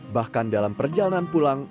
bahkan dalam perjalanan pulang